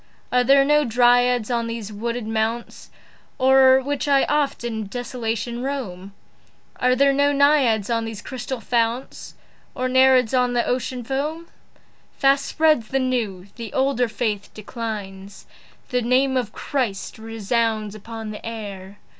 Are there no Dryads on these wooded mounts O'er which I oft in desolation roam? Are there no Naiads in these crystal founts? Nor Nereids upon the Ocean foam? Fast spreads the new; the older faith declines. The name of Christ resounds upon the air.